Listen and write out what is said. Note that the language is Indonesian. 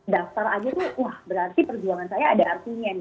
dasar aja tuh berarti perjuangan saya ada artinya